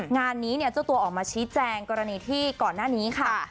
งานนี้เนี่ยเจ้าตัวออกมาชี้แจงกรณีที่ก่อนหน้านี้ค่ะ